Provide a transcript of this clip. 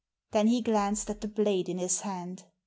Then he glanced at the blade in his hand.